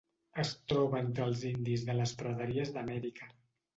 Es troba entre els indis de les praderies d'Amèrica.